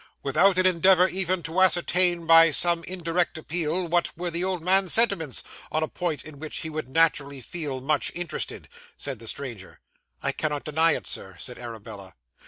'Without an endeavour, even, to ascertain, by some indirect appeal, what were the old man's sentiments on a point in which he would naturally feel much interested?' said the stranger. 'I cannot deny it, Sir,' said Arabella.